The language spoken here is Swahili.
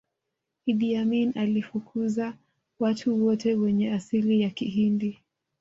iddi amini alifukuza watu wote wenye asili ya kihindi